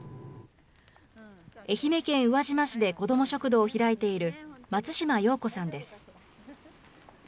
愛媛県宇和島市で子ども食堂を開いている、松島陽子さんです。